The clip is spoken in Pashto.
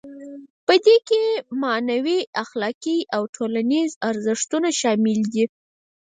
په دې کې معنوي، اخلاقي او ټولنیز ارزښتونه شامل دي.